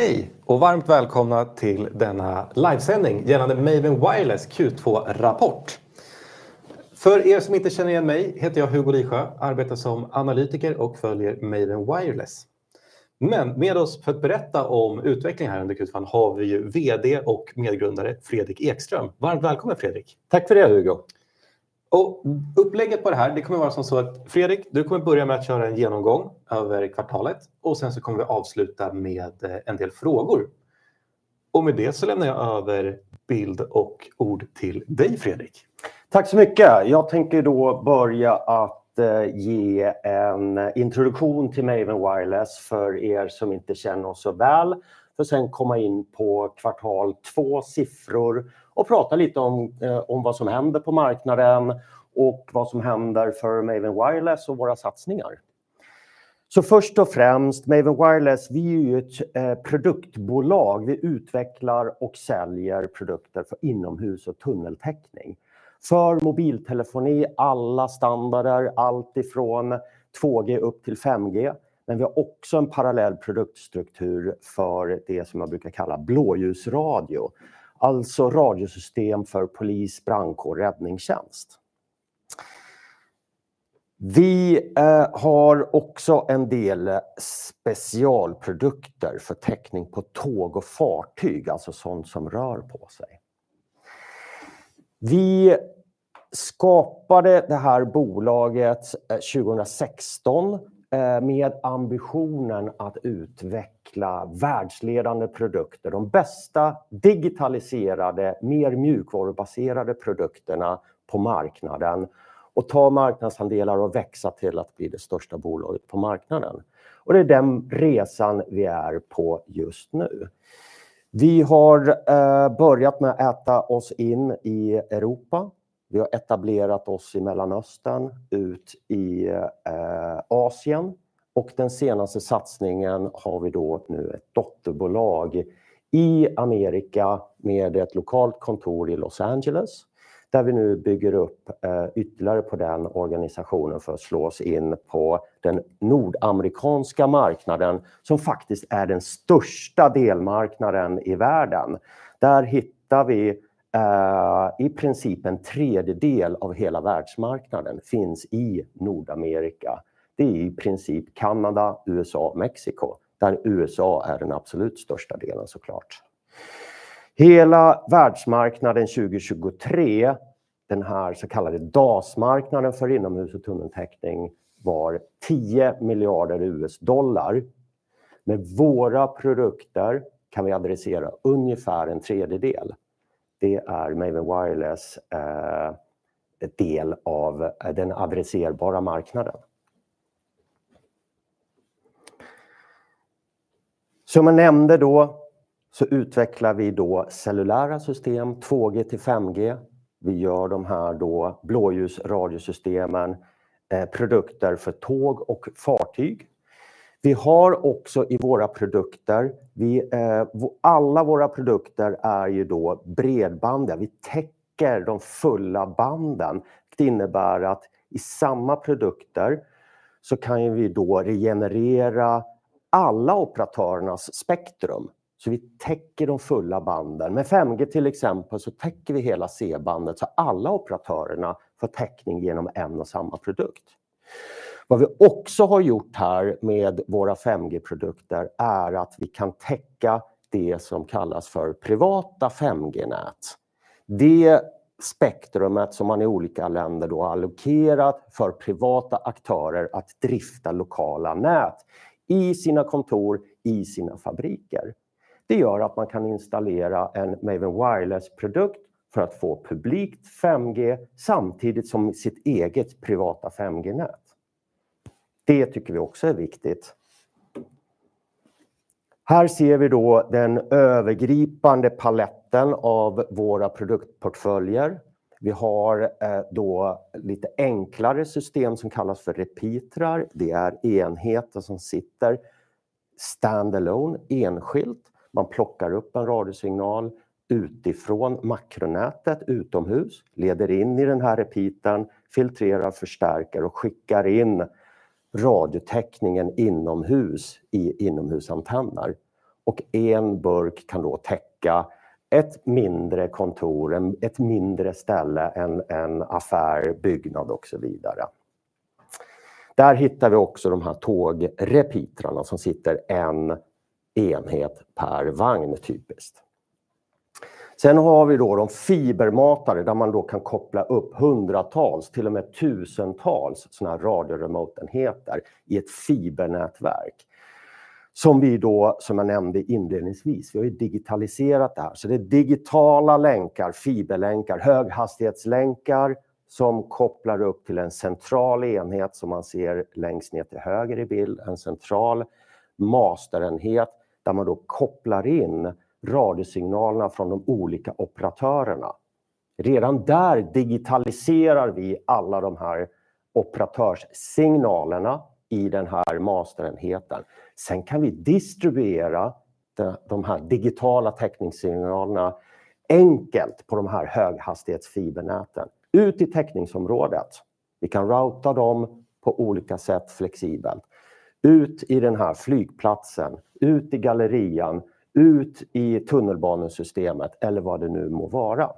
Hej och varmt välkomna till denna livesändning gällande Maven Wireless Q2-rapport. För er som inte känner igen mig heter jag Hugo Lisjö, arbetar som analytiker och följer Maven Wireless. Men med oss för att berätta om utvecklingen här under Q2 har vi ju VD och medgrundare Fredrik Ekström. Varmt välkommen, Fredrik! Tack för det, Hugo. Och upplägget på det här, det kommer vara som så att Fredrik, du kommer börja med att köra en genomgång över kvartalet och sen så kommer vi avsluta med en del frågor. Och med det så lämnar jag över bild och ord till dig, Fredrik. Tack så mycket! Jag tänker då börja att ge en introduktion till Maven Wireless för er som inte känner oss så väl, för att sedan komma in på kvartal två siffror och prata lite om vad som händer på marknaden och vad som händer för Maven Wireless och våra satsningar. Så först och främst, Maven Wireless, vi är ju ett produktbolag. Vi utvecklar och säljer produkter för inomhus- och tunneltäckning. För mobiltelefoni, alla standarder, allt ifrån 2G upp till 5G, men vi har också en parallell produktstruktur för det som jag brukar kalla blåljusradio, alltså radiosystem för polis, brandkår, räddningstjänst. Vi har också en del specialprodukter för täckning på tåg och fartyg, alltså sådant som rör på sig. Vi skapade det här bolaget 2016 med ambitionen att utveckla världsledande produkter, de bästa digitaliserade, mer mjukvarubaserade produkterna på marknaden och ta marknadsandelar och växa till att bli det största bolaget på marknaden. Det är den resan vi är på just nu. Vi har börjat med att äta oss in i Europa. Vi har etablerat oss i Mellanöstern, ut i Asien och den senaste satsningen har vi då nu ett dotterbolag i Amerika med ett lokalt kontor i Los Angeles, där vi nu bygger upp ytterligare på den organisationen för att slå oss in på den nordamerikanska marknaden, som faktiskt är den största delmarknaden i världen. Där hittar vi i princip en tredjedel av hela världsmarknaden, finns i Nordamerika. Det är i princip Kanada, USA, Mexiko, där USA är den absolut största delen, så klart. Hela världsmarknaden 2023, den här så kallade DAS-marknaden för inomhus- och tunneltäckning, var $10 miljarder. Med våra produkter kan vi adressera ungefär en tredjedel. Det är Maven Wireless del av den adresserbara marknaden. Som jag nämnde då, så utvecklar vi cellulära system, 2G till 5G. Vi gör de här blåljusradiosystemen, produkter för tåg och fartyg. Vi har också i våra produkter... Vi, alla våra produkter är bredband där vi täcker de fulla banden, vilket innebär att i samma produkter så kan vi regenerera alla operatörernas spektrum. Så vi täcker de fulla banden. Med 5G, till exempel, så täcker vi hela C-bandet så alla operatörerna får täckning genom en och samma produkt. Vad vi också har gjort här med våra 5G-produkter är att vi kan täcka det som kallas för privata 5G-nät. Det spektrum som man i olika länder då har allokerat för privata aktörer att drifta lokala nät i sina kontor, i sina fabriker. Det gör att man kan installera en Maven Wireless-produkt för att få publikt 5G, samtidigt som sitt eget privata 5G-nät. Det tycker vi också är viktigt. Här ser vi då den övergripande paletten av våra produktportföljer. Vi har då lite enklare system som kallas för repeatrar. Det är enheter som sitter stand alone, enskilt. Man plockar upp en radiosignal utifrån makronätet, utomhus, leder in i den här repeatern, filtrerar, förstärker och skickar in radiotäckningen inomhus i inomhusantenner. En burk kan då täcka ett mindre kontor, ett mindre ställe, en affär, byggnad och så vidare. Där hittar vi också de här tågrepeatrarna som sitter en enhet per vagn, typiskt. Sen har vi då de fibermatare, där man då kan koppla upp hundratals, till och med tusentals, sådana här radio remote-enheter i ett fibernätverk, som vi då, som jag nämnde inledningsvis, vi har ju digitaliserat det här. Så det är digitala länkar, fiberlänkar, höghastighetslänkar, som kopplar upp till en central enhet som man ser längst ner till höger i bild, en central masterenhet, där man då kopplar in radiosignalerna från de olika operatörerna. Redan där digitaliserar vi alla de här operatörssignalerna i den här masterenheten. Sen kan vi distribuera de här digitala täckningssignalerna enkelt på de här höghastighetsfibernäten ut i täckningsområdet. Vi kan routa dem på olika sätt, flexibelt ut i den här flygplatsen, ut i gallerian, ut i tunnelbanesystemet eller vad det nu må vara.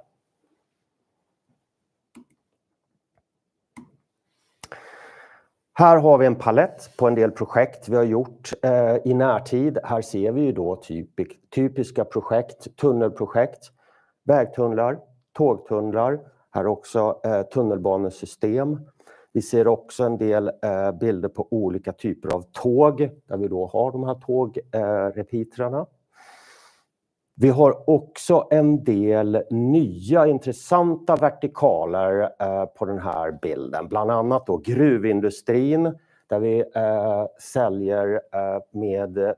Här har vi en palett på en del projekt vi har gjort i närtid. Här ser vi ju då typ, typiska projekt, tunnelprojekt, vägtunnlar, tågtunnlar, här också tunnelbanesystem. Vi ser också en del bilder på olika typer av tåg, där vi då har de här tåg repeatrarna. Vi har också en del nya intressanta vertikaler på den här bilden, bland annat då gruvindustrin, där vi säljer med,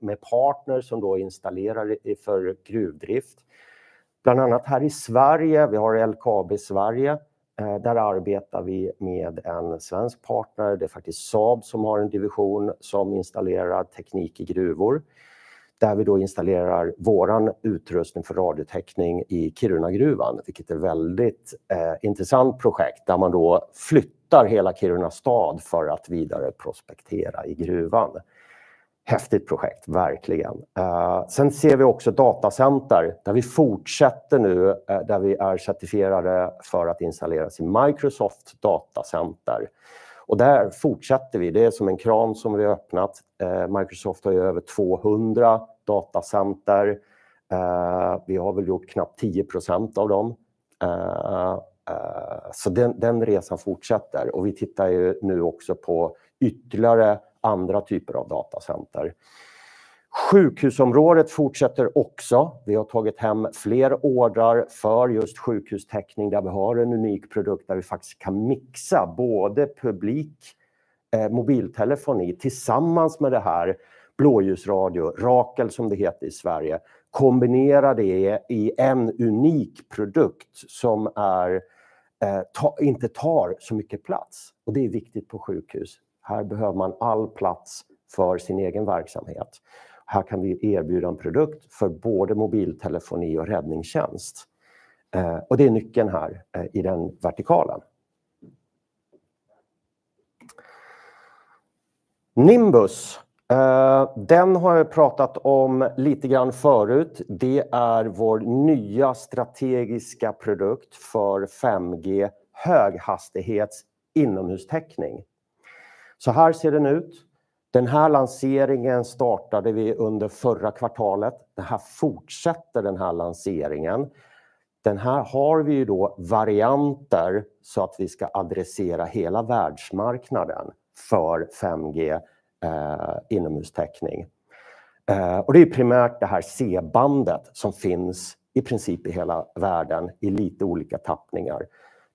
med partner som då installerar för gruvdrift. Bland annat här i Sverige, vi har LKAB Sverige, där arbetar vi med en svensk partner. Det är faktiskt Saab som har en division som installerar teknik i gruvor, där vi då installerar vår utrustning för radiotäckning i Kirunagruvan, vilket är väldigt intressant projekt, där man då flyttar hela Kiruna stad för att vidare prospektera i gruvan. Häftigt projekt, verkligen. Sen ser vi också datacenter, där vi fortsätter nu, där vi är certifierade för att installera sin Microsoft datacenter. Och där fortsätter vi. Det är som en kran som vi öppnat. Microsoft har ju över tvåhundra datacenter. Vi har väl gjort knappt 10% av dem, så den resan fortsätter och vi tittar ju nu också på ytterligare andra typer av datacenter. Sjukhusområdet fortsätter också. Vi har tagit hem fler ordrar för just sjukhustäckning, där vi har en unik produkt där vi faktiskt kan mixa både publik mobiltelefoni tillsammans med det här blåljusradio, Rakel, som det heter i Sverige. Kombinera det i en unik produkt som inte tar så mycket plats och det är viktigt på sjukhus. Här behöver man all plats för sin egen verksamhet. Här kan vi erbjuda en produkt för både mobiltelefoni och räddningstjänst. Det är nyckeln här i den vertikalen. Nimbus, den har jag pratat om lite grann förut. Det är vår nya strategiska produkt för 5G-höghastighets inomhustäckning. Såhär ser den ut. Den här lanseringen startade vi under förra kvartalet. Det här fortsätter den här lanseringen. Den här har vi ju då varianter så att vi ska adressera hela världsmarknaden för 5G inomhustäckning. Det är primärt det här C-bandet som finns i princip i hela världen i lite olika tappningar.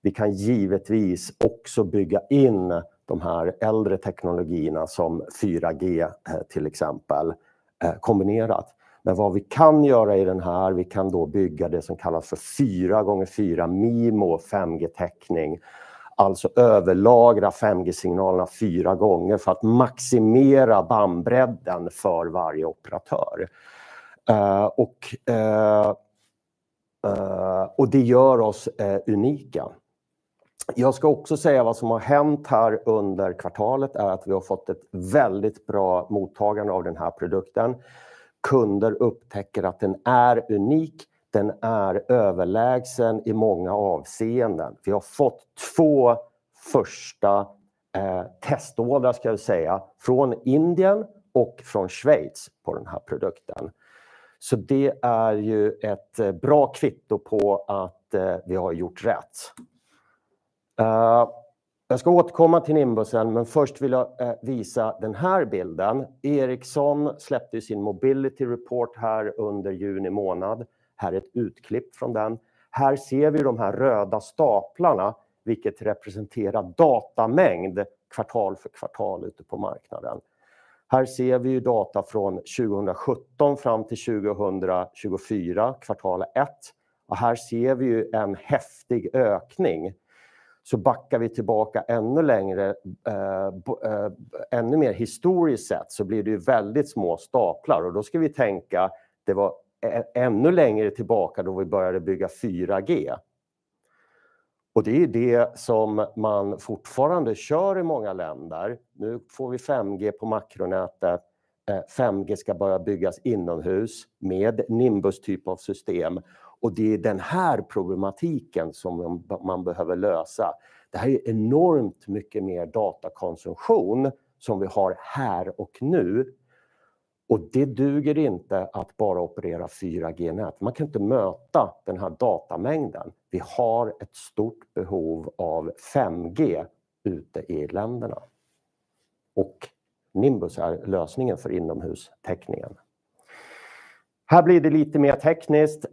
Vi kan givetvis också bygga in de här äldre teknologierna som 4G, till exempel, kombinerat. Men vad vi kan göra i den här, vi kan då bygga det som kallas för fyra gånger fyra MIMO 5G-täckning, alltså överlagra 5G-signalerna fyra gånger för att maximera bandbredden för varje operatör. Det gör oss unika. Jag ska också säga vad som har hänt här under kvartalet är att vi har fått ett väldigt bra mottagande av den här produkten. Kunder upptäcker att den är unik, den är överlägsen i många avseenden. Vi har fått två första testordrar ska jag säga, från Indien och från Schweiz på den här produkten. Det är ju ett bra kvitto på att vi har gjort rätt. Jag ska återkomma till Nimbusen, men först vill jag visa den här bilden. Ericsson släppte sin Mobility Report här under juni månad. Här är ett utklipp från den. Här ser vi de här röda staplarna, vilket representerar datamängd, kvartal för kvartal ute på marknaden. Här ser vi ju data från 2017 fram till 2024, kvartal ett. Här ser vi ju en häftig ökning. Backar vi tillbaka ännu längre, ännu mer historiskt sett, så blir det ju väldigt små staplar och då ska vi tänka, det var ännu längre tillbaka då vi började bygga 4G. Det är ju det som man fortfarande kör i många länder. Nu får vi 5G på makronätet. 5G ska börja byggas inomhus med Nimbus typ av system och det är den här problematiken som man behöver lösa. Det här är enormt mycket mer datakonsumtion som vi har här och nu. Och det duger inte att bara operera 4G-nät. Man kan inte möta den här datamängden. Vi har ett stort behov av 5G ute i länderna och Nimbus är lösningen för inomhustäckningen. Här blir det lite mer tekniskt.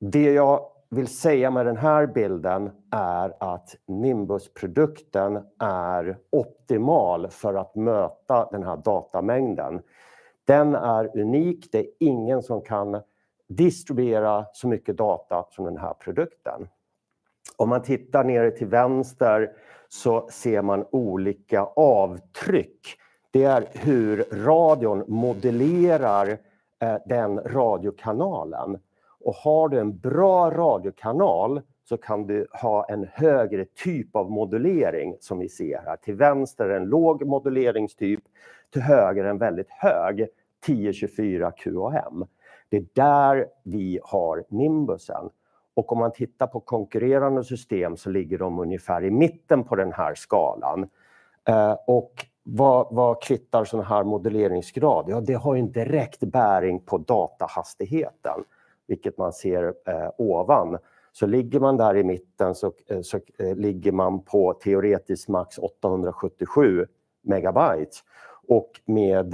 Det jag vill säga med den här bilden är att Nimbusprodukten är optimal för att möta den här datamängden. Den är unik, det är ingen som kan distribuera så mycket data som den här produkten. Om man tittar nere till vänster så ser man olika avtryck. Det är hur radion modellerar den radiokanalen och har du en bra radiokanal så kan du ha en högre typ av modulering som vi ser här. Till vänster är en låg moduleringstyp, till höger en väldigt hög, 1024 QAM. Det är där vi har Nimbus och om man tittar på konkurrerande system så ligger de ungefär i mitten på den här skalan. Vad kvittar sådan här moduleringsgrad? Det har ju en direkt bäring på datahastigheten, vilket man ser ovan. Ligger man där i mitten, så ligger man på teoretiskt max 887 megabyte. Med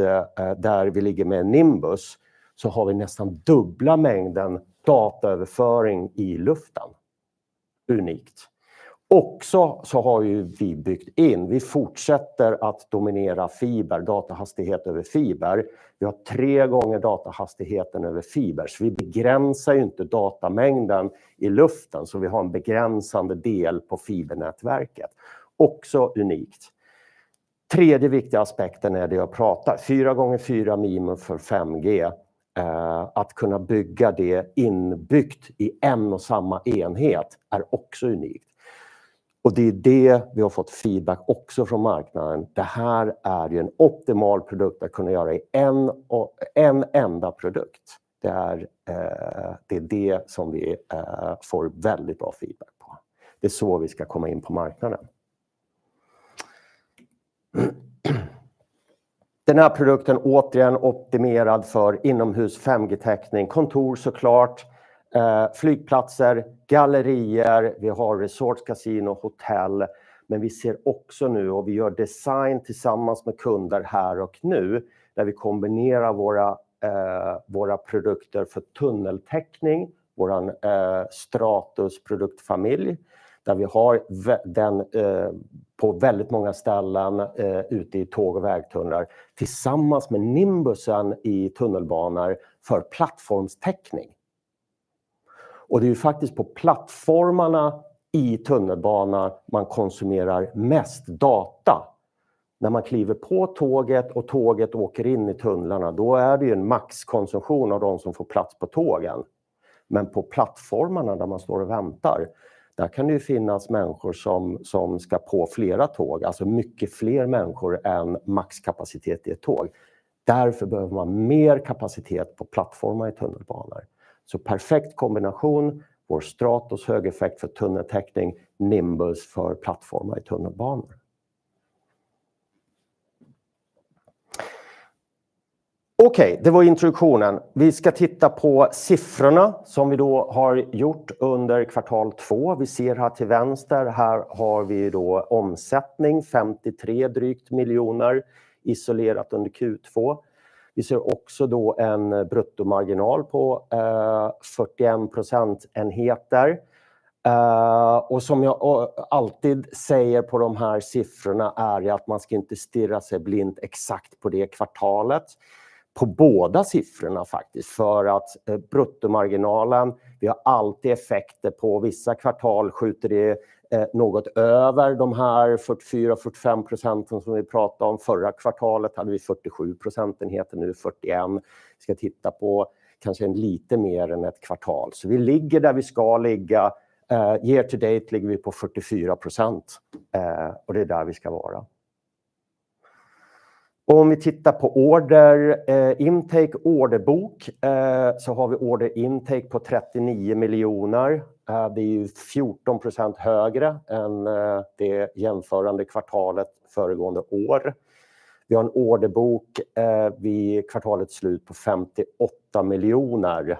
där vi ligger med Nimbus så har vi nästan dubbla mängden dataöverföring i luften. Unikt! Vi har byggt in, vi fortsätter att dominera fiber, datahastighet över fiber. Vi har tre gånger datahastigheten över fiber, så vi begränsar inte datamängden i luften, så vi har en begränsande del på fibernätverket. Unikt. Tredje viktiga aspekten är det jag pratar, 4x4 MIMO för 5G. Att kunna bygga det inbyggt i en och samma enhet är också unikt. Och det är det vi har fått feedback också från marknaden. Det här är ju en optimal produkt att kunna göra i en och en enda produkt. Det är det som vi får väldigt bra feedback på. Det är så vi ska komma in på marknaden. Den här produkten, återigen, optimerad för inomhus 5G-täckning, kontor så klart, flygplatser, gallerier. Vi har resort, kasino, hotell, men vi ser också nu och vi gör design tillsammans med kunder här och nu, där vi kombinerar våra produkter för tunneltäckning, vår Stratus-produktfamilj, där vi har den på väldigt många ställen ute i tåg- och vägtunnlar, tillsammans med Nimbusen i tunnelbanor för plattformstäckning. Och det är ju faktiskt på plattformarna i tunnelbana man konsumerar mest data. När man kliver på tåget och tåget åker in i tunnlarna, då är det ju en maxkonsumtion av de som får plats på tågen. Men på plattformarna där man står och väntar, där kan det ju finnas människor som ska på flera tåg, alltså mycket fler människor än maxkapacitet i ett tåg. Därför behöver man mer kapacitet på plattformar i tunnelbanor. Så perfekt kombination, vår Stratus, högeffekt för tunneltäckning, Nimbus för plattformar i tunnelbanor. Det var introduktionen. Vi ska titta på siffrorna som vi då har gjort under kvartal två. Vi ser här till vänster, här har vi då omsättning, 53 miljoner kronor, isolerat under Q2. Vi ser också då en bruttomarginal på 41%. Och som jag alltid säger på de här siffrorna är att man ska inte stirra sig blind exakt på det kvartalet, på båda siffrorna faktiskt, för att bruttomarginalen, vi har alltid effekter på vissa kvartal, skjuter det något över de här 44%, 45% som vi pratar om. Förra kvartalet hade vi 47%, nu 41%. Vi ska titta på kanske en lite mer än ett kvartal. Så vi ligger där vi ska ligga. Year to date ligger vi på 44% och det är där vi ska vara. Om vi tittar på order, intake orderbok, så har vi order intake på 39 miljoner. Det är 14% högre än det jämförande kvartalet föregående år. Vi har en orderbok vid kvartalets slut på 58 miljoner.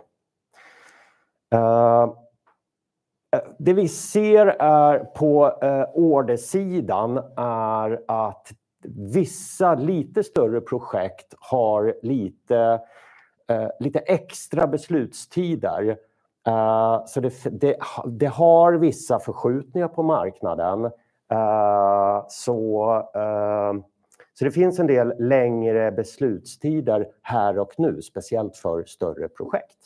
Det vi ser på ordersidan är att vissa lite större projekt har lite extra beslutstider. Så det har vissa förskjutningar på marknaden. Det finns en del längre beslutstider här och nu, speciellt för större projekt.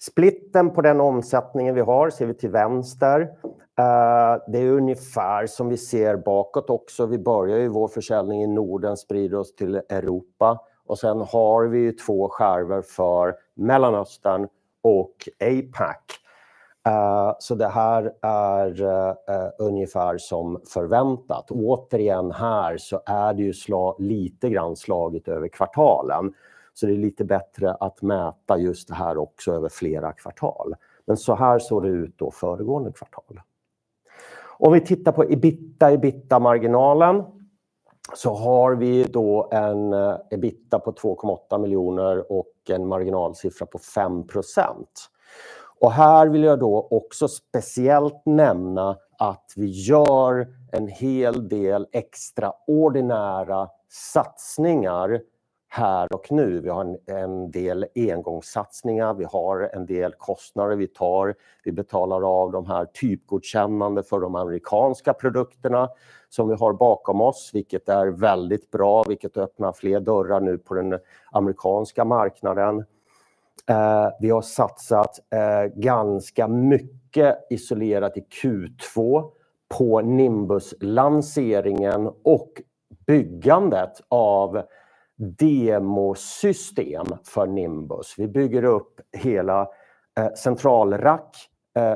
Splitten på den omsättningen vi har ser vi till vänster. Det är ungefär som vi ser bakåt också. Vi börjar vår försäljning i Norden, sprider oss till Europa och sedan har vi två skärvor för Mellanöstern och APAC. Det här är ungefär som förväntat. Återigen, här är det lite grann slagit över kvartalen, det är lite bättre att mäta just det här också över flera kvartal. Men såhär såg det ut föregående kvartal. Om vi tittar på EBITDA, EBITDA-marginalen, har vi en EBITDA på 2,8 miljoner och en marginalsiffra på 5%. Här vill jag också speciellt nämna att vi gör en hel del extraordinära satsningar här och nu. Vi har en del engångssatsningar, vi har en del kostnader vi tar, vi betalar av de här typgodkännandena för de amerikanska produkterna som vi har bakom oss, vilket är väldigt bra, vilket öppnar fler dörrar nu på den amerikanska marknaden. Vi har satsat ganska mycket isolerat i Q2 på Nimbus-lanseringen och byggandet av demosystem för Nimbus. Vi bygger upp hela centralrack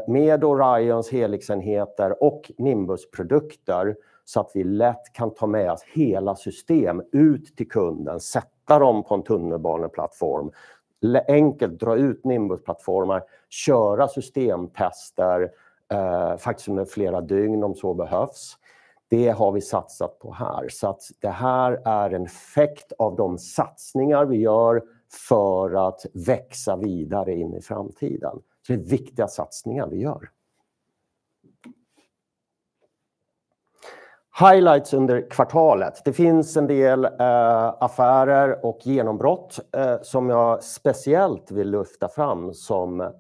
med Orions, Helix-enheter och Nimbus-produkter så att vi lätt kan ta med oss hela system ut till kunden, sätta dem på en tunnelbaneplattform, enkelt dra ut Nimbus-plattformar, köra systemtester, faktiskt under flera dygn om så behövs. Det har vi satsat på här. Så det här är en effekt av de satsningar vi gör för att växa vidare in i framtiden. Så det är viktiga satsningar vi gör. Highlights under kvartalet. Det finns en del affärer och genombrott som jag speciellt vill lyfta fram, som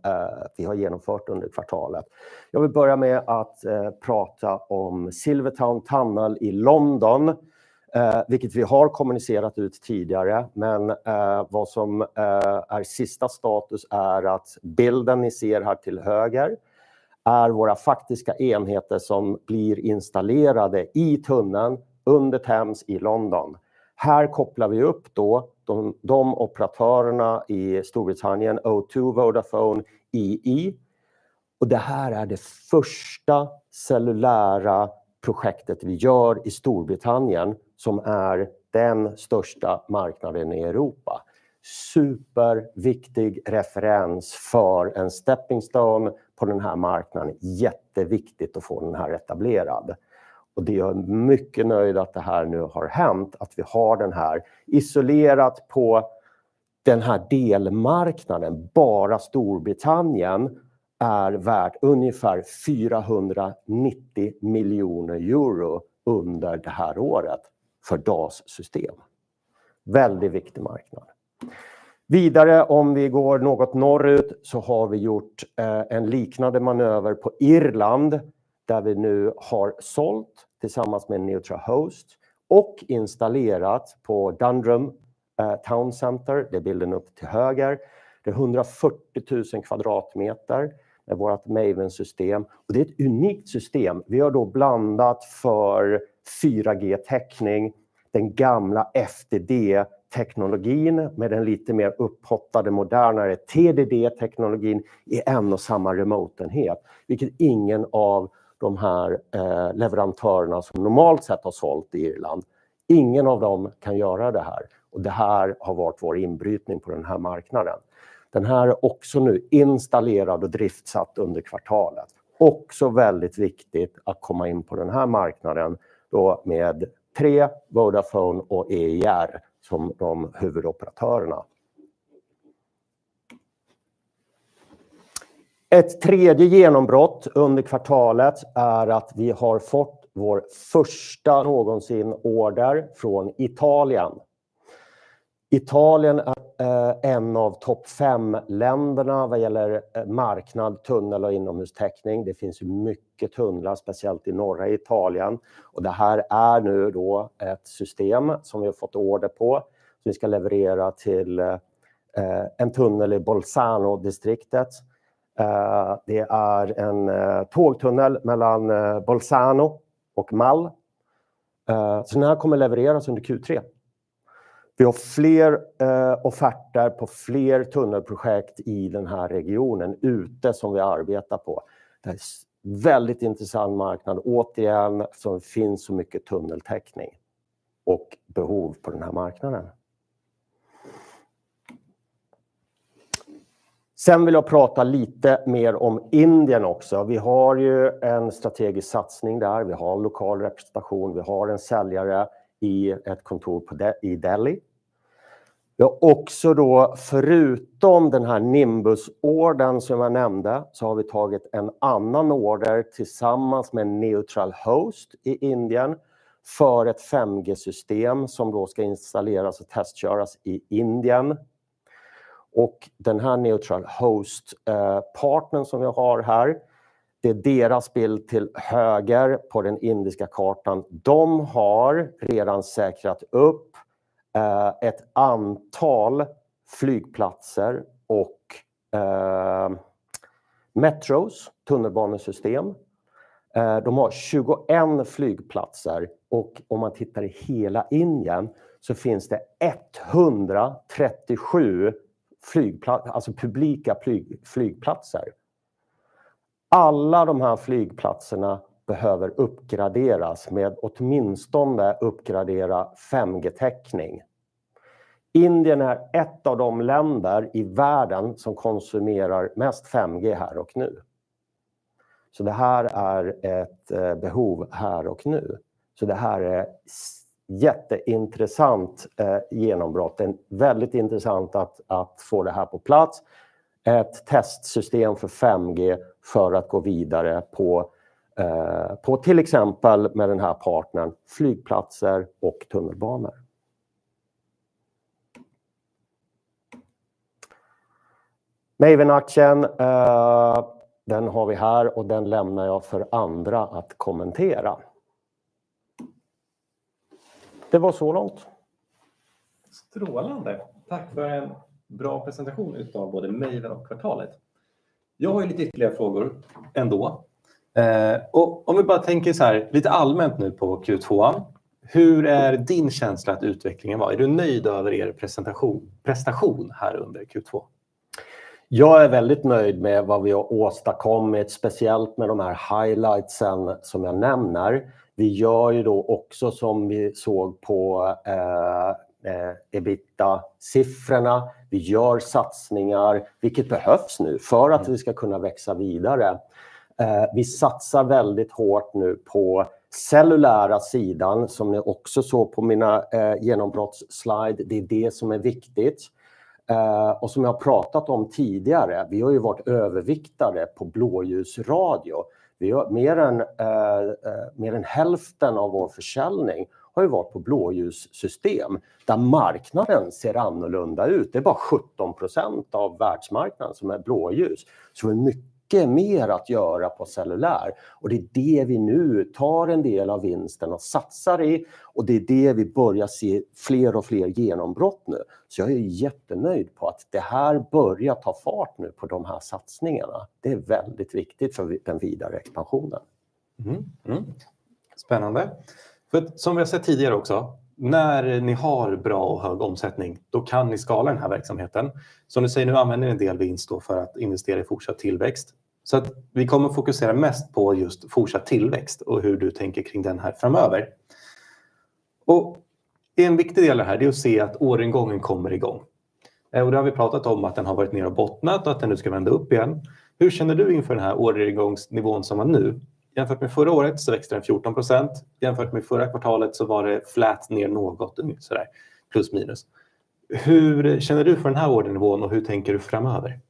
vi har genomfört under kvartalet. Jag vill börja med att prata om Silvertown Tunnel i London, vilket vi har kommunicerat ut tidigare. Men vad som är sista status är att bilden ni ser här till höger, är våra faktiska enheter som blir installerade i tunneln under Thames i London. Här kopplar vi upp då de operatörerna i Storbritannien, O2, Vodafone, EE. Det här är det första cellulära projektet vi gör i Storbritannien, som är den största marknaden i Europa. Superviktig referens för en stepping stone på den här marknaden. Jätteviktigt att få den här etablerad. Jag är mycket nöjd att det här nu har hänt, att vi har den här isolerat på den här delmarknaden. Bara Storbritannien är värt ungefär €490 miljoner under det här året för DAS-system. Väldigt viktig marknad. Vidare, om vi går något norrut, så har vi gjort en liknande manöver på Irland, där vi nu har sålt tillsammans med Neutral Host och installerat på Dundrum Town Center. Det är bilden upp till höger. Det är 140,000 kvadratmeter med vårt Maven-system. Det är ett unikt system. Vi har då blandat för 4G-täckning, den gamla FDD-teknologin med den lite mer uppkopplade, modernare TDD-teknologin i en och samma remoteenhet, vilket ingen av de här leverantörerna som normalt sett har sålt i Irland. Ingen av dem kan göra det här och det här har varit vår inbrytning på den här marknaden. Den här är också nu installerad och driftsatt under kvartalet. Också väldigt viktigt att komma in på den här marknaden, då med Three, Vodafone och EIR, som de huvudoperatörerna. Ett tredje genombrott under kvartalet är att vi har fått vår första någonsin order från Italien. Italien är en av topp fem länderna vad gäller marknad, tunnel och inomhustäckning. Det finns mycket tunnlar, speciellt i norra Italien. Det här är nu ett system som vi har fått order på. Vi ska leverera till en tunnel i Bolzano-distriktet. Det är en tågtunnel mellan Bolzano och Mal. Den här kommer levereras under Q3. Vi har fler offertar på fler tunnelprojekt i den här regionen ute som vi arbetar på. Det är en väldigt intressant marknad. Återigen, så finns så mycket tunneltäckning och behov på den här marknaden. Sen vill jag prata lite mer om Indien också. Vi har en strategisk satsning där. Vi har lokal representation, vi har en säljare i ett kontor i Delhi. Vi har också då, förutom den här Nimbus-ordern som jag nämnde, så har vi tagit en annan order tillsammans med Neutral Host i Indien för ett 5G-system som då ska installeras och testköras i Indien. Och den här Neutral Host-partnern som vi har här, det är deras bild till höger på den indiska kartan. De har redan säkrat upp ett antal flygplatser och metros, tunnelbanesystem. De har tjugoen flygplatser och om man tittar i hela Indien så finns det etthundratrettiosju publika flygplatser. Alla de här flygplatserna behöver uppgraderas med åtminstone uppgradera 5G-täckning. Indien är ett av de länder i världen som konsumerar mest 5G här och nu. Så det här är ett behov här och nu. Så det här är jätteintressant genombrott. Det är väldigt intressant att få det här på plats. Ett testsystem för 5G för att gå vidare på, på till exempel med den här partnern, flygplatser och tunnelbanor. Maven-aktien, den har vi här och den lämnar jag för andra att kommentera. Det var så långt. Strålande! Tack för en bra presentation av både maj och kvartalet. Jag har ju lite ytterligare frågor ändå. Om vi bara tänker såhär, lite allmänt nu på Q2. Hur är din känsla att utvecklingen var? Är du nöjd över er prestation här under Q2? Jag är väldigt nöjd med vad vi har åstadkommit, speciellt med de här highlightsen som jag nämner. Vi gör ju då också, som vi såg på EBITDA-siffrorna. Vi gör satsningar, vilket behövs nu för att vi ska kunna växa vidare. Vi satsar väldigt hårt nu på cellulära sidan, som ni också såg på mina genombrottsslides. Det är det som är viktigt. Som jag har pratat om tidigare, vi har ju varit överviktade på blåljusradio. Vi har mer än hälften av vår försäljning har ju varit på blåljussystem, där marknaden ser annorlunda ut. Det är bara 17% av världsmarknaden som är blåljus. Så det är mycket mer att göra på cellulär och det är det vi nu tar en del av vinsten och satsar i och det är det vi börjar se fler och fler genombrott nu. Så jag är jättenöjd på att det här börjar ta fart nu på de här satsningarna. Det är väldigt viktigt för den vidare expansionen. Mm, mm. Spännande. För som vi har sett tidigare också, när ni har bra och hög omsättning, då kan ni skala den här verksamheten. Som du säger, nu använder ni en del vinst då för att investera i fortsatt tillväxt. Vi kommer att fokusera mest på just fortsatt tillväxt och hur du tänker kring den här framöver. En viktig del här, det är att se att orderingången kommer i gång. Det har vi pratat om att den har varit nere och bottnat och att den nu ska vända upp igen. Hur känner du inför den här orderingångsnivån som var nu? Jämfört med förra året så växte den 14%. Jämfört med förra kvartalet så var det flat ner något, plus minus. Hur känner du för den här orderingången och hur tänker du framöver?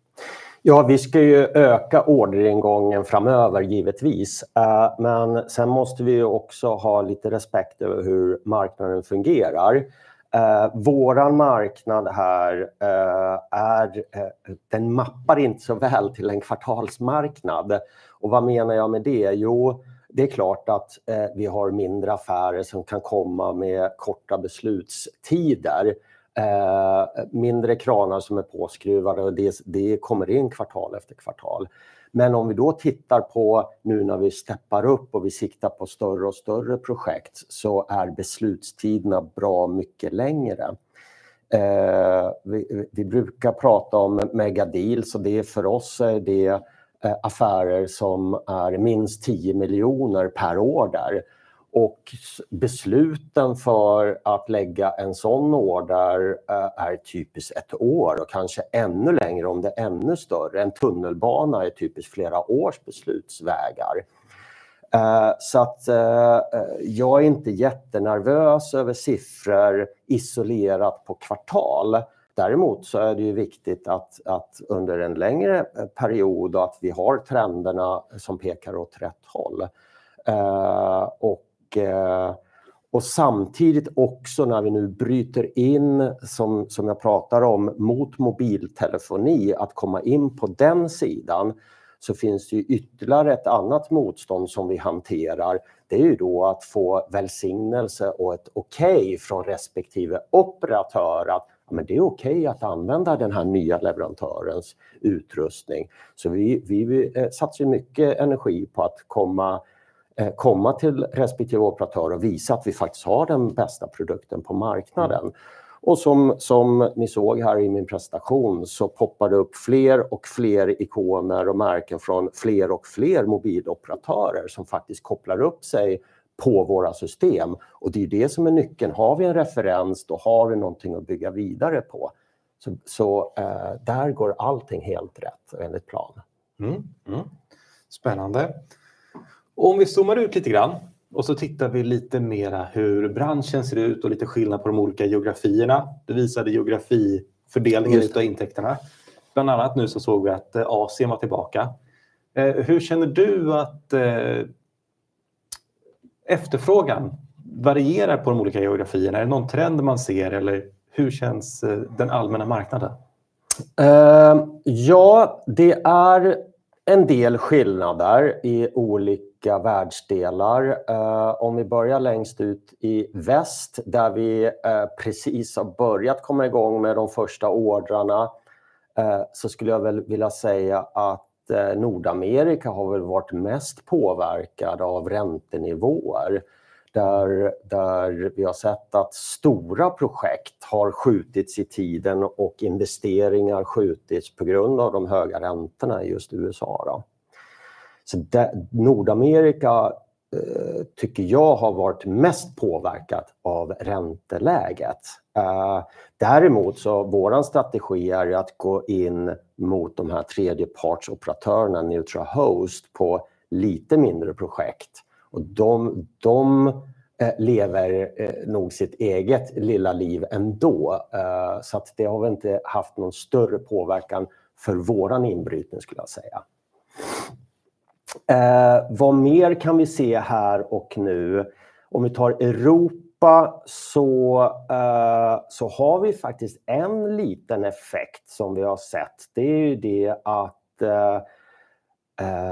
Ja, vi ska ju öka orderingången framöver, givetvis, men sen måste vi också ha lite respekt över hur marknaden fungerar. Vår marknad här är... den mappar inte så väl till en kvartalsmarknad. Och vad menar jag med det? Jo, det är klart att vi har mindre affärer som kan komma med korta beslutstider, mindre kranar som är påskruvade. Det kommer in kvartal efter kvartal. Men om vi då tittar på nu när vi steppar upp och vi siktar på större och större projekt, så är beslutstiderna bra mycket längre. Vi brukar prata om mega deals och det, för oss är det affärer som är minst 10 miljoner per order och besluten för att lägga en sådan order är typiskt ett år och kanske ännu längre om det är ännu större. En tunnelbana är typiskt flera års beslutsvägar. Jag är inte jättenervös över siffror isolerat på kvartal. Däremot så är det ju viktigt att under en längre period att vi har trenderna som pekar åt rätt håll. Och samtidigt också när vi nu bryter in, som jag pratar om, mot mobiltelefoni, att komma in på den sidan, så finns det ju ytterligare ett annat motstånd som vi hanterar. Det är ju då att få välsignelse och ett okej från respektive operatör. Att, ja men det är okej att använda den här nya leverantörens utrustning. Så vi satsar ju mycket energi på att komma till respektive operatör och visa att vi faktiskt har den bästa produkten på marknaden. Och som ni såg här i min presentation, så poppar det upp fler och fler ikoner och märken från fler och fler mobiloperatörer som faktiskt kopplar upp sig på våra system. Och det är det som är nyckeln. Har vi en referens, då har vi någonting att bygga vidare på. Så där går allting helt rätt enligt plan. Mm, mm. Spännande. Om vi zoomar ut lite grann och så tittar vi lite mer hur branschen ser ut och lite skillnad på de olika geografierna. Du visade geografifördelningen av intäkterna. Bland annat nu så såg vi att Asien var tillbaka. Hur känner du att efterfrågan varierar på de olika geografierna? Är det någon trend man ser eller hur känns den allmänna marknaden? Ja, det är en del skillnader i olika världsdelar. Om vi börjar längst ut i väst, där vi precis har börjat komma i gång med de första ordrarna, så skulle jag väl vilja säga att Nordamerika har väl varit mest påverkad av räntenivåer, där vi har sett att stora projekt har skjutits i tiden och investeringar skjutits på grund av de höga räntorna i just USA då. Så Nordamerika, tycker jag, har varit mest påverkat av ränteläget. Däremot så vår strategi är att gå in mot de här tredjepartsoperatörerna, neutral host, på lite mindre projekt. Och de lever nog sitt eget lilla liv ändå, så att det har väl inte haft någon större påverkan för vår inbrytning skulle jag säga. Vad mer kan vi se här och nu? Om vi tar Europa så har vi faktiskt en liten effekt som vi har sett. Det är ju det att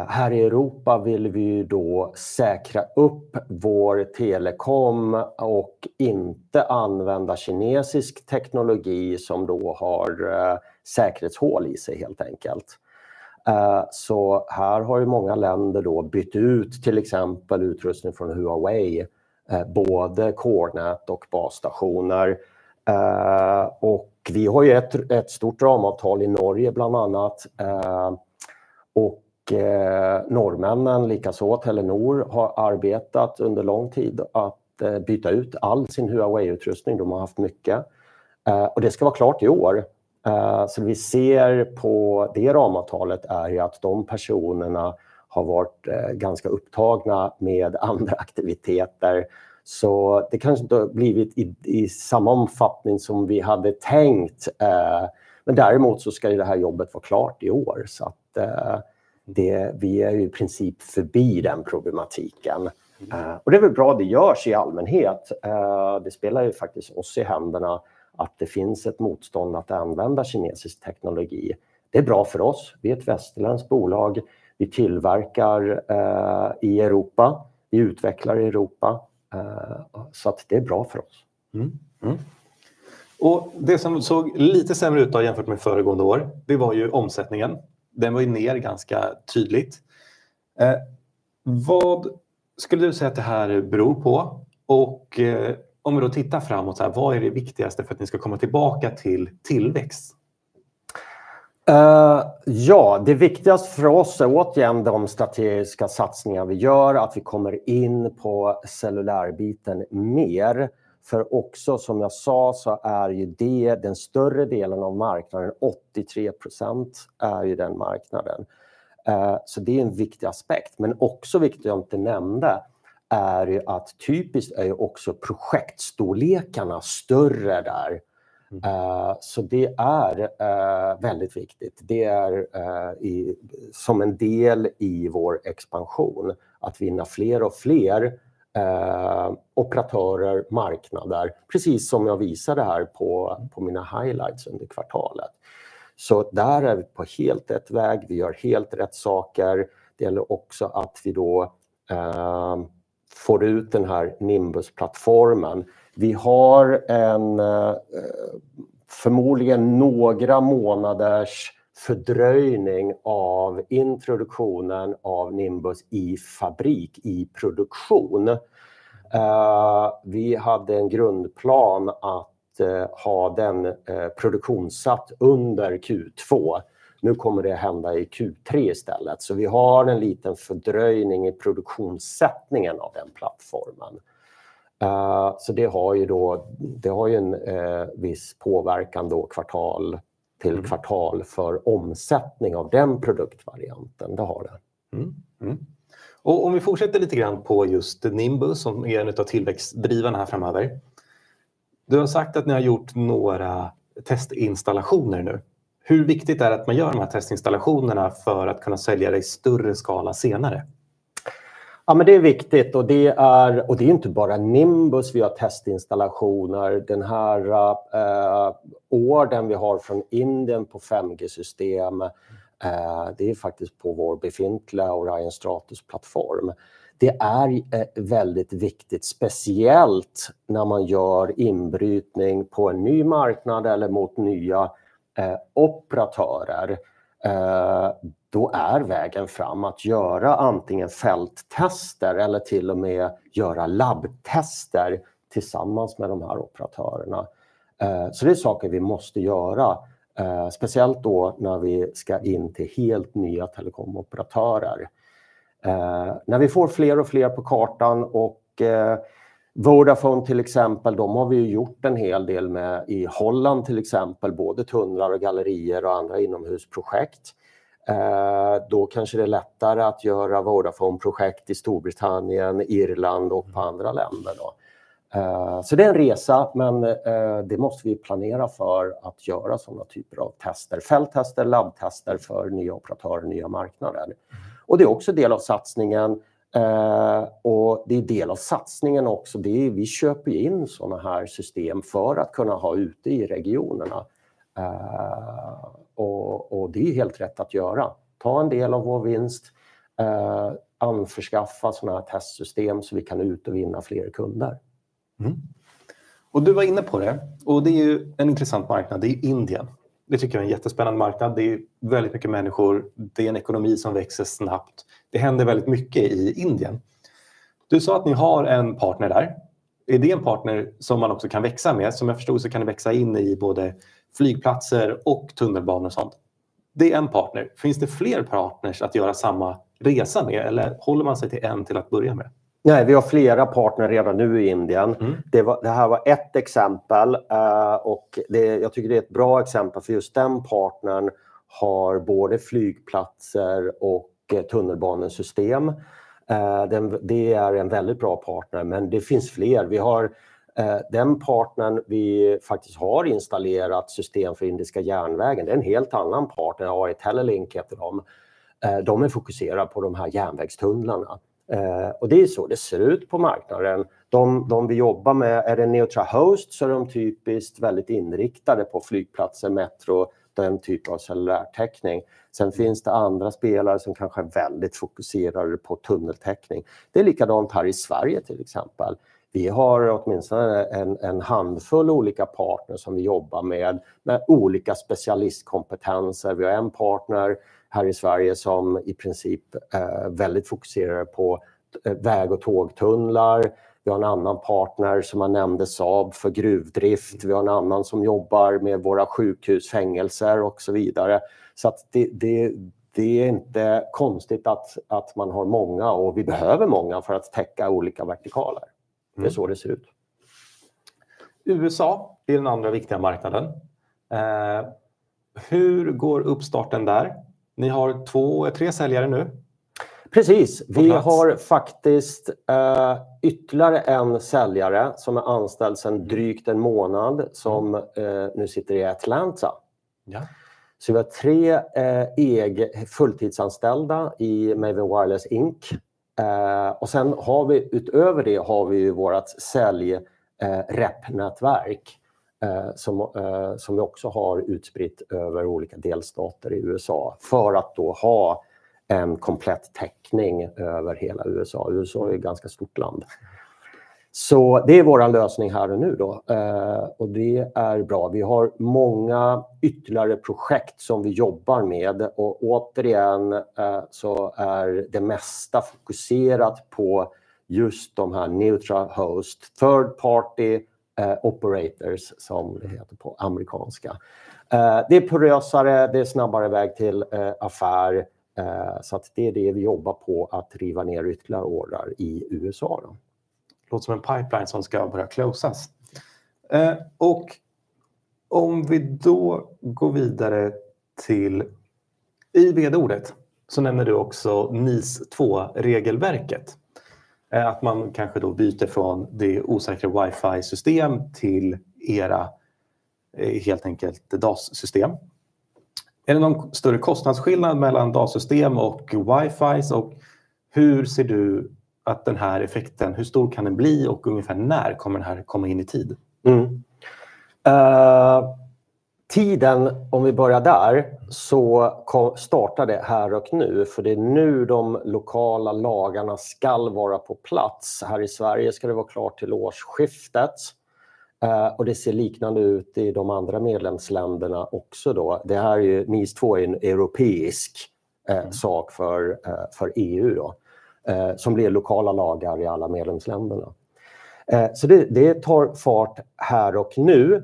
här i Europa vill vi ju då säkra upp vår telekom och inte använda kinesisk teknologi som då har säkerhetshål i sig helt enkelt. Här har ju många länder då bytt ut, till exempel, utrustning från Huawei, både kårnät och basstationer. Vi har ju ett stort ramavtal i Norge, bland annat. Norrmännen, likaså Telenor, har arbetat under lång tid att byta ut all sin Huawei-utrustning. De har haft mycket. Det ska vara klart i år. Vi ser på det ramavtalet är ju att de personerna har varit ganska upptagna med andra aktiviteter. Det kanske inte har blivit i samma omfattning som vi hade tänkt, men däremot så ska det här jobbet vara klart i år. Så att det, vi är ju i princip förbi den problematiken. Det är väl bra att det görs i allmänhet. Det spelar ju faktiskt oss i händerna att det finns ett motstånd att använda kinesisk teknologi. Det är bra för oss. Vi är ett västerländskt bolag, vi tillverkar i Europa, vi utvecklar i Europa, så att det är bra för oss. Mm, mm. Och det som såg lite sämre ut då jämfört med föregående år, det var ju omsättningen. Den var ju ner ganska tydligt. Vad skulle du säga att det här beror på? Och om vi då tittar framåt, vad är det viktigaste för att ni ska komma tillbaka till tillväxt? Ja, det viktigaste för oss är återigen de strategiska satsningar vi gör, att vi kommer in på cellulärbiten mer. För också, som jag sa, så är ju det den större delen av marknaden, 83% är ju den marknaden. Så det är en viktig aspekt, men också viktigt jag inte nämnde, är ju att typiskt är ju också projektstorlekarna större där. Så det är väldigt viktigt. Det är som en del i vår expansion att vinna fler och fler operatörer, marknader, precis som jag visade här på mina highlights under kvartalet. Så där är vi på helt rätt väg, vi gör helt rätt saker. Det gäller också att vi då får ut den här Nimbus-plattformen. Vi har en förmodligen några månaders fördröjning av introduktionen av Nimbus i fabrik, i produktion. Vi hade en grundplan att ha den produktionssatt under Q2. Nu kommer det hända i Q3 istället, så vi har en liten fördröjning i produktionssättningen av den plattformen. Det har en viss påverkan då kvartal till kvartal för omsättning av den produktvarianten. Mm, mm. Och om vi fortsätter lite grann på just Nimbus, som är en utav tillväxtdrivarna här framöver. Du har sagt att ni har gjort några testinstallationer nu. Hur viktigt är det att man gör de här testinstallationerna för att kunna sälja det i större skala senare? Ja, men det är viktigt och det är, och det är inte bara Nimbus, vi har testinstallationer. Den här ordern vi har från Indien på 5G-system, det är faktiskt på vår befintliga Orion Stratus-plattform. Det är väldigt viktigt, speciellt när man gör inbrytning på en ny marknad eller mot nya operatörer. Då är vägen fram att göra antingen fälttester eller till och med göra labbtester tillsammans med de här operatörerna. Så det är saker vi måste göra, speciellt då när vi ska in till helt nya telekomoperatörer. När vi får fler och fler på kartan och Vodafone, till exempel, de har vi gjort en hel del med i Holland, till exempel, både tunnlar och gallerier och andra inomhusprojekt. Då kanske det är lättare att göra Vodafone-projekt i Storbritannien, Irland och på andra länder då. Så det är en resa, men det måste vi planera för att göra sådana typer av tester, fälttester, labbtester för nya operatörer, nya marknader. Det är också en del av satsningen. Vi köper in sådana här system för att kunna ha ute i regionerna. Det är helt rätt att göra. Ta en del av vår vinst, anförskaffa sådana här testsystem så vi kan ut och vinna fler kunder. Mm. Och du var inne på det och det är ju en intressant marknad, det är Indien. Det tycker jag är en jättespännande marknad. Det är väldigt mycket människor, det är en ekonomi som växer snabbt. Det händer väldigt mycket i Indien. Du sa att ni har en partner där. Är det en partner som man också kan växa med? Som jag förstår så kan det växa in i både flygplatser och tunnelbanor och sådant. Det är en partner. Finns det fler partners att göra samma resa med? Eller håller man sig till en till att börja med? Nej, vi har flera partner redan nu i Indien. Det var, det här var ett exempel och det, jag tycker det är ett bra exempel, för just den partnern har både flygplatser och tunnelbanesystem. Det är en väldigt bra partner, men det finns fler. Vi har den partnern, vi faktiskt har installerat system för Indiska Järnvägen. Det är en helt annan partner, IIT Telelink heter de. De är fokuserade på de här järnvägstunnlarna. Det är så det ser ut på marknaden. De vi jobbar med, är det neutral host, så är de typiskt väldigt inriktade på flygplatser, metro, den typen av cellulär täckning. Sen finns det andra spelare som kanske är väldigt fokuserade på tunneltäckning. Det är likadant här i Sverige, till exempel. Vi har åtminstone en handfull olika partners som vi jobbar med, med olika specialistkompetenser. Vi har en partner här i Sverige som i princip är väldigt fokuserade på väg- och tågtunnlar. Vi har en annan partner som man nämnde, Saab, för gruvdrift. Vi har en annan som jobbar med våra sjukhus, fängelser och så vidare. Så att det, det är inte konstigt att man har många och vi behöver många för att täcka olika vertikaler. Det är så det ser ut. USA är den andra viktiga marknaden. Hur går uppstarten där? Ni har två, tre säljare nu. Precis, vi har faktiskt ytterligare en säljare som är anställd sedan drygt en månad, som nu sitter i Atlanta. Så vi har tre egna, fulltidsanställda i Maven Wireless Inc. Och sen har vi utöver det vårt säljrep-nätverk, som vi också har utspritt över olika delstater i USA för att då ha en komplett täckning över hela USA. USA är ju ett ganska stort land. Så det är vår lösning här och nu då, och det är bra. Vi har många ytterligare projekt som vi jobbar med och återigen så är det mesta fokuserat på just de här neutral host, third party operators, som det heter på amerikanska. Det är porösare, det är snabbare väg till affär, så det är det vi jobbar på att riva ner ytterligare ordrar i USA. Låter som en pipeline som ska börja stängas. Och om vi då går vidare till VD-ordet, så nämner du också NIS2-regelverket. Att man kanske då byter från det osäkra wifi-systemet till era, helt enkelt, DAS-system. Är det någon större kostnadsskillnad mellan DAS-system och wifi? Och hur ser du att den här effekten, hur stor kan den bli och ungefär när kommer den här komma in i tid? Tiden, om vi börjar där, så startar det här och nu, för det är nu de lokala lagarna ska vara på plats. Här i Sverige ska det vara klart till årsskiftet och det ser liknande ut i de andra medlemsländerna också. Det här är ju, NIS2 är en europeisk sak för EU, som blir lokala lagar i alla medlemsländerna. Så det tar fart här och nu.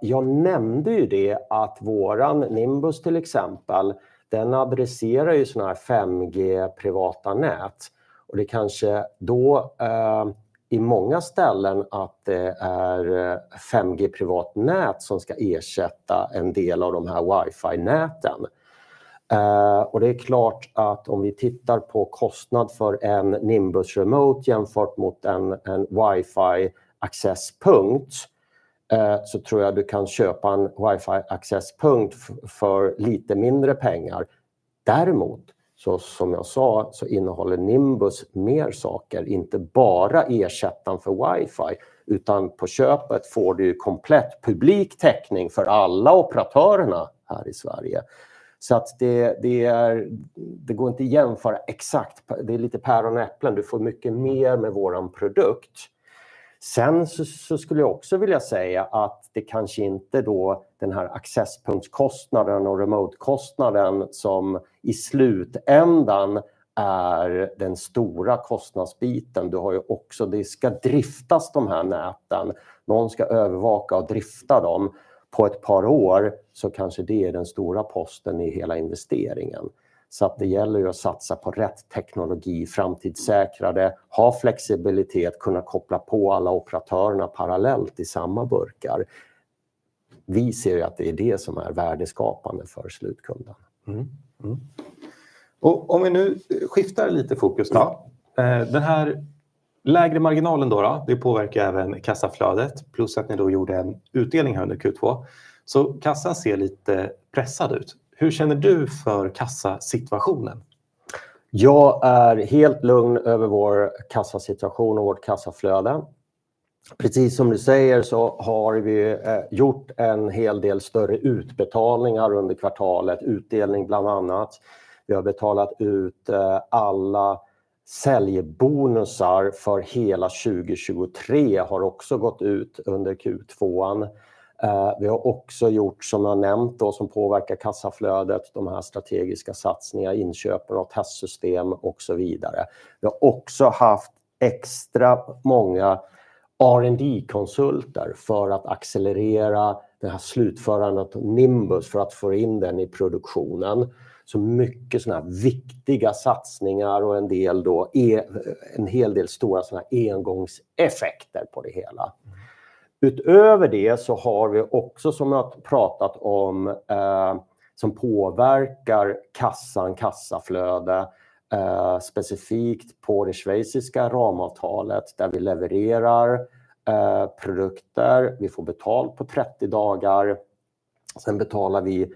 Jag nämnde ju det att vår Nimbus, till exempel, den adresserar ju sådana här 5G privata nät och det kanske då i många ställen att det är 5G privat nät som ska ersätta en del av de här wifi-näten. Det är klart att om vi tittar på kostnad för en Nimbus remote jämfört mot en wifi accesspunkt, så tror jag du kan köpa en wifi accesspunkt för lite mindre pengar. Däremot, så som jag sa, så innehåller Nimbus mer saker, inte bara ersättaren för wifi, utan på köpet får du komplett publik täckning för alla operatörerna här i Sverige. Det är, det går inte att jämföra exakt. Det är lite päron och äpplen, du får mycket mer med vår produkt. Sen så skulle jag också vilja säga att det kanske inte då den här accesspunktskostnaden och remotekostnaden som i slutändan är den stora kostnadsbiten. Du har ju också, det ska driftas de här näten. Någon ska övervaka och drifta dem. På ett par år så kanske det är den stora posten i hela investeringen. Det gäller att satsa på rätt teknologi, framtidssäkra det, ha flexibilitet, kunna koppla på alla operatörerna parallellt i samma burkar. Vi ser att det är det som är värdeskapande för slutkunden. Mm. Och om vi nu skiftar lite fokus. Den här lägre marginalen, det påverkar även kassaflödet, plus att ni då gjorde en utdelning under Q2. Så kassan ser lite pressad ut. Hur känner du för kassasituationen? Jag är helt lugn över vår kassasituation och vårt kassaflöde. Precis som du säger, så har vi gjort en hel del större utbetalningar under kvartalet, utdelning bland annat. Vi har betalat ut alla säljbonusar för hela 2023 har också gått ut under Q2. Vi har också gjort, som jag nämnt, som påverkar kassaflödet, de här strategiska satsningarna, inköpen och testsystemen och så vidare. Vi har också haft extra många R&D-konsulter för att accelerera det här slutförandet av Nimbus för att få in den i produktionen. Så mycket sådana viktiga satsningar och en del, en hel del stora sådana engångseffekter på det hela. Utöver det så har vi också, som jag pratat om, som påverkar kassan, kassaflödet, specifikt på det schweiziska ramavtalet, där vi levererar produkter. Vi får betalt på 30 dagar, sen betalar vi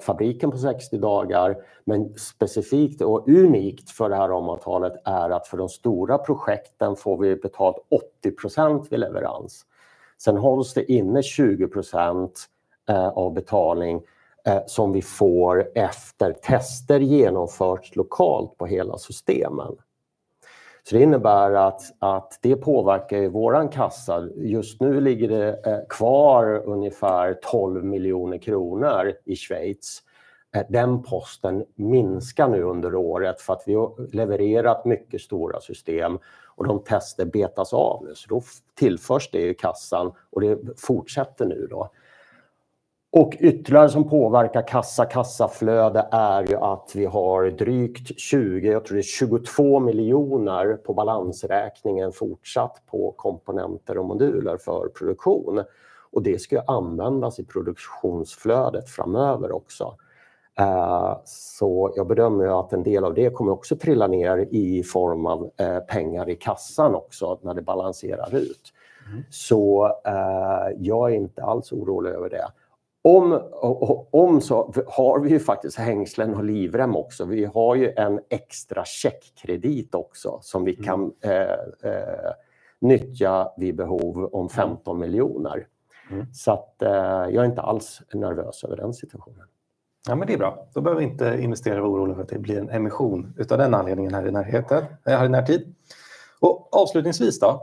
fabriken på 60 dagar, men specifikt och unikt för det här ramavtalet är att för de stora projekten får vi betalt 80% vid leverans. Sen hålls det inne 20% av betalning som vi får efter tester genomfört lokalt på hela systemen. Så det innebär att det påverkar ju vår kassa. Just nu ligger det kvar ungefär 12 miljoner kronor i Schweiz. Den posten minskar nu under året för att vi har levererat mycket stora system och de tester betas av. Så då tillförs det i kassan och det fortsätter nu då. Ytterligare som påverkar kassa, kassaflöde är ju att vi har drygt 20, jag tror det är 22 miljoner på balansräkningen fortsatt på komponenter och moduler för produktion och det ska användas i produktionsflödet framöver också. Jag bedömer att en del av det kommer också att trilla ner i form av pengar i kassan också när det balanserar ut. Jag är inte alls orolig över det. Vi har faktiskt hängslen och livrem också. Vi har en extra checkkredit också som vi kan nyttja vid behov om 15 miljoner. Jag är inte alls nervös över den situationen. Ja, men det är bra. Då behöver vi inte investera och vara oroliga för att det blir en emission av den anledningen här i närheten, i närtid. Avslutningsvis då,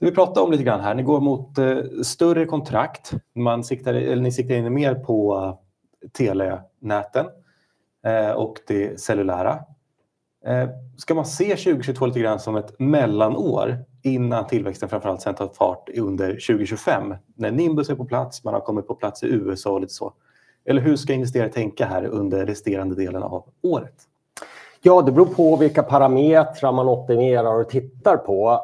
vi pratat om lite grann här, ni går mot större kontrakt. Man siktar, eller ni siktar in mer på telenäten och det cellulära. Ska man se 2022 lite grann som ett mellanår innan tillväxten framför allt sen tar fart under 2025? När Nimbus är på plats, man har kommit på plats i USA och lite så. Eller hur ska investerare tänka här under resterande delen av året? Ja, det beror på vilka parametrar man optimerar och tittar på.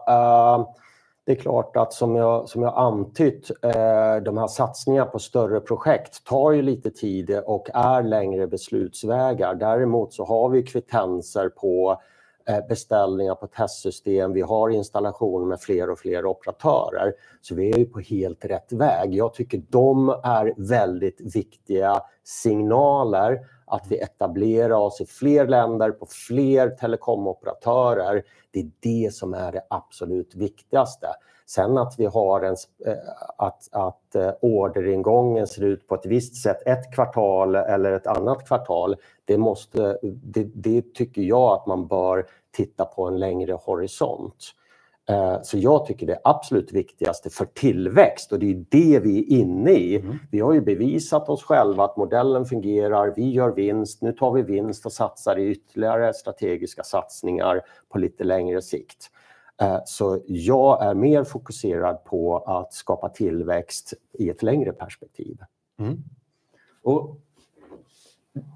Det är klart att som jag har antytt, de här satsningarna på större projekt tar ju lite tid och är längre beslutsvägar. Däremot så har vi kvittenser på beställningar på testsystem. Vi har installation med fler och fler operatörer, så vi är ju på helt rätt väg. Jag tycker de är väldigt viktiga signaler att vi etablerar oss i fler länder, på fler telekomoperatörer. Det är det som är det absolut viktigaste. Sen att vi har en, att orderingången ser ut på ett visst sätt, ett kvartal eller ett annat kvartal, det måste, det tycker jag att man bör titta på en längre horisont. Så jag tycker det är absolut viktigaste för tillväxt och det är det vi är inne i. Vi har ju bevisat oss själva att modellen fungerar, vi gör vinst, nu tar vi vinst och satsar i ytterligare strategiska satsningar på lite längre sikt. Så jag är mer fokuserad på att skapa tillväxt i ett längre perspektiv. Och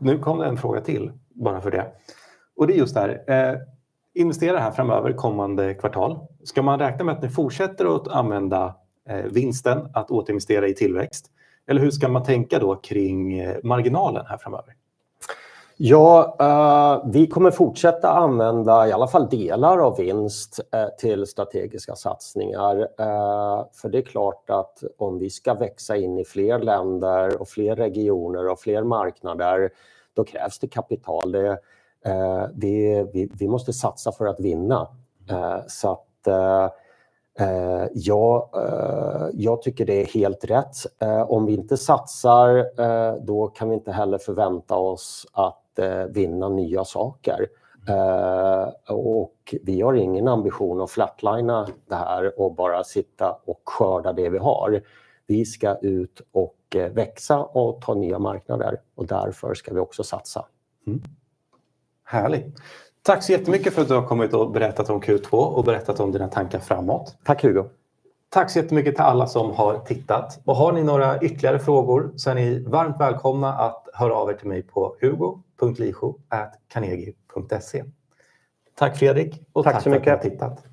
nu kom det en fråga till, bara för det. Och det är just det här, investera här framöver kommande kvartal. Ska man räkna med att ni fortsätter att använda vinsten, att återinvestera i tillväxt? Eller hur ska man tänka då kring marginalen här framöver? Ja, vi kommer att fortsätta använda i alla fall delar av vinst till strategiska satsningar. För det är klart att om vi ska växa in i fler länder och fler regioner och fler marknader, då krävs det kapital. Det, vi måste satsa för att vinna. Så att ja, jag tycker det är helt rätt. Om vi inte satsar, då kan vi inte heller förvänta oss att vinna nya saker. Vi har ingen ambition att flatlina det här och bara sitta och skörda det vi har. Vi ska ut och växa och ta nya marknader och därför ska vi också satsa. Härligt! Tack så jättemycket för att du har kommit och berättat om Q2 och berättat om dina tankar framåt. Tack Hugo. Tack så jättemycket till alla som har tittat. Och har ni några ytterligare frågor så är ni varmt välkomna att höra av er till mig på hugo.licho@carnegie.se. Tack Fredrik och tack så mycket för att ni har tittat!